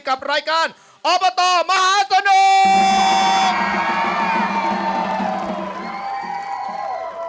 กับรายการอบตมหาสนุก